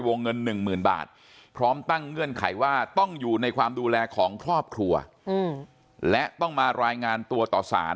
เงินหนึ่งหมื่นบาทพร้อมตั้งเงื่อนไขว่าต้องอยู่ในความดูแลของครอบครัวและต้องมารายงานตัวต่อสาร